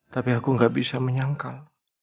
tapi aku gak bisa menyangkal